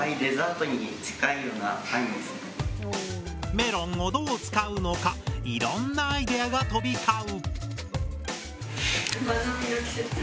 メロンをどう使うのかいろんなアイデアが飛び交う。